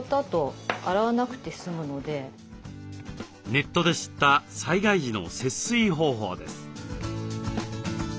ネットで知った災害時の節水方法です。